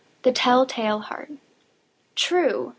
_ THE TELL TALE HEART. True!